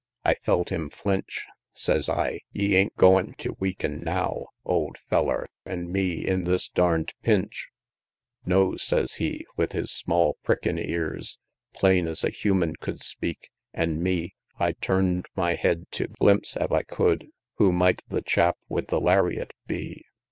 I felt him flinch. Sez I, "Ye ain't goin' tew weaken now, Old feller, an' me in this darn'd pinch?" XLIII. "No," sez he, with his small, prickin' ears, Plain es a human could speak; an' me I turn'd my head tew glimpse ef I could, Who might the chap with the lariat be.